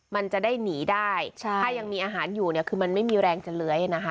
มันจะได้หนีได้ถ้ายังมีอาหารอยู่เนี่ยคือมันไม่มีแรงจะเลื้อยนะคะ